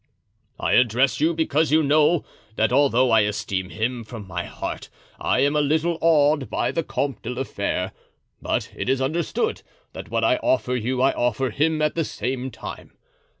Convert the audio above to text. "I address you, because you know, that although I esteem him from my heart I am a little awed by the Comte de la Fere; but it is understood that what I offer you I offer him at the same time.